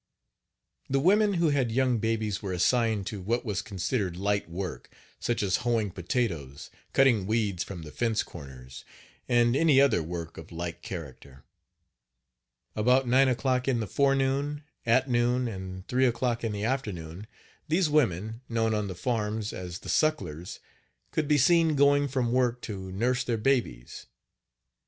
The women who had young babies were assigned to what was considered "light work," such as hoeing potatoes, cutting weeds from the fence corners, and any other work of like character. About nine o'clock in the forenoon, at noon, and three o'clock in the afternoon, these women, known on the farms as "the sucklers," could be seen going from work to nurse their babies.